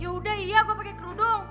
ya udah iya gue pakai kerudung